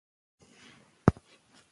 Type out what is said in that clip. د هېواد شتمني په بېځایه عیاشیو لګول کېده.